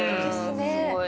すごい。